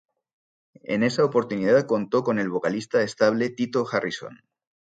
En esa oportunidad contó con el vocalista estable Tito Harrison.